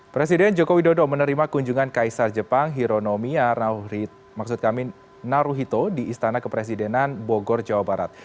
presiden joko widodo menerima kunjungan kaisar jepang hironomia naruhito di istana kepresidenan bogor jawa barat